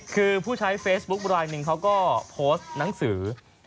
คือผู้ใช้เฟซบุ๊คไลนึงเขาก็โพสต์หนังสือ